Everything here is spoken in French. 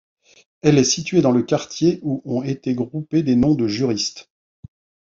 Elle est située dans le quartier où ont été groupés des noms de juristes.